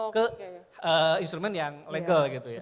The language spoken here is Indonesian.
ke instrumen yang legal gitu ya